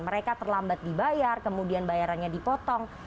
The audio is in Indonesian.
mereka terlambat dibayar kemudian bayarannya dipotong